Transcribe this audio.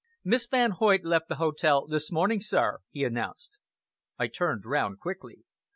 "Miss Van Hoyt left the hotel this morning, sir," he announced. I turned round quickly.